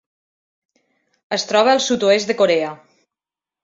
Es troba al sud-oest de Corea.